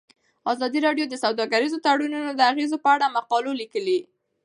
ازادي راډیو د سوداګریز تړونونه د اغیزو په اړه مقالو لیکلي.